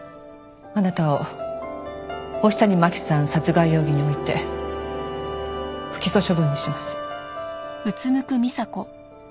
あなたを星谷真輝さん殺害容疑において不起訴処分にします。